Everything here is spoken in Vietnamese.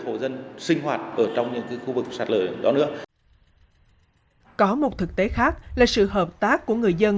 hộ dân sinh hoạt ở trong những khu vực sạc lỡ đó nữa có một thực tế khác là sự hợp tác của người dân